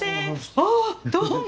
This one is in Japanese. ああどうも。